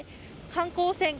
観光船